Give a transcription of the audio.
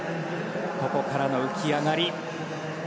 ここからの浮き上がり。